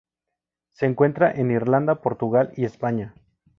Se encuentra en Irlanda, Portugal y España.